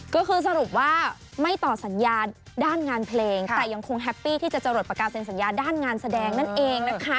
ก็คือสรุปว่าไม่ต่อสัญญาด้านงานเพลงแต่ยังคงแฮปปี้ที่จะจรดปากกาเซ็นสัญญาด้านงานแสดงนั่นเองนะคะ